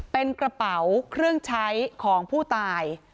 เป็นกระเป๋าเครื่องใช้ของผู้ตาย